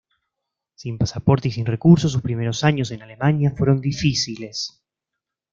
Sin pasaporte y sin recursos, sus primeros años en Alemania fueron difíciles.